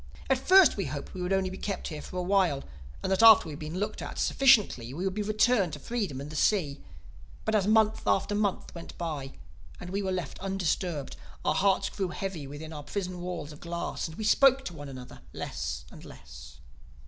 At first we had hoped we would only be kept here for a while, and that after we had been looked at sufficiently we would be returned to freedom and the sea. But as month after month went by, and we were left undisturbed, our hearts grew heavy within our prison walls of glass and we spoke to one another less and less.